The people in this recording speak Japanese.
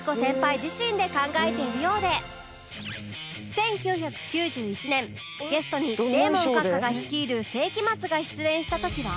１９９１年ゲストにデーモン閣下が率いる聖飢魔 Ⅱ が出演した時は